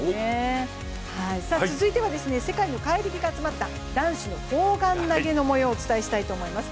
続いては、世界の怪力が集まった男子の砲丸投げの模様をお伝えしたいと思います。